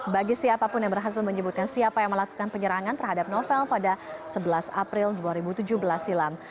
bagi siapapun yang berhasil menyebutkan siapa yang melakukan penyerangan terhadap novel pada sebelas april dua ribu tujuh belas silam